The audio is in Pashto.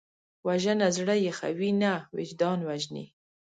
وژنه زړه یخوي نه، وجدان وژني